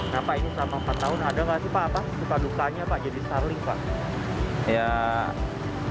kenapa ini selama empat tahun ada nggak sih pak suka dukanya apa jadi saling pak